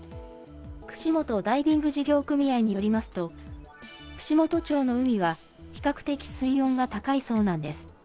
串本ダイビング事業組合によりますと、串本町の海は比較的、水温が高いそうなんです。